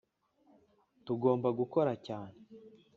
tugomba gukora cyane